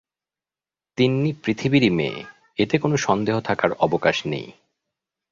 তিন্নি পৃথিবীরই মেয়ে, এতে কোনো সন্দেহ থাকার অবকাশ নেই।